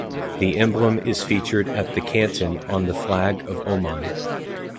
The emblem is featured at the canton on the Flag of Oman.